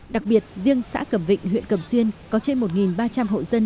đặc biệt riêng xã cầm vịnh huyện cầm xuyên có trên một ba trăm linh hộ dân